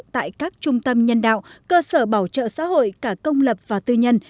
tại các trung tâm nhân đạo cơ sở bảo trợ xã hội cả công lập và tư nhân